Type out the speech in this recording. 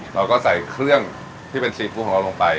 เราก็ใส่เครื่องที่เป็นซีฟู้ดของเราลงไป